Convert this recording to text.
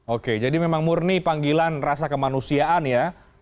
oke jadi memang murni panggilan rasa kemanusiaan ya